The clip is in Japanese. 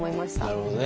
なるほどね。